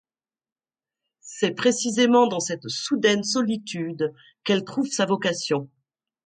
C'est précisément dans cette soudaine solitude qu'elle trouve sa vocation.